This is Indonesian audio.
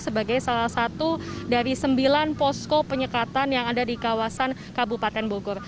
sebagai salah satu dari sembilan posko penyekatan yang ada di kawasan kabupaten bogor